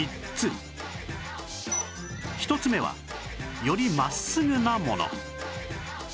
１つ目はより真っすぐなもの